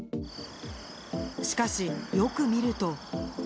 しかし、よく見ると。